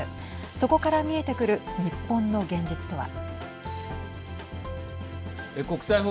そこから見えてくる日本の現実とは。